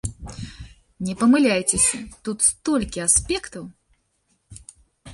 Не памыляйцеся, тут столькі аспектаў.